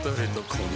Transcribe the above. この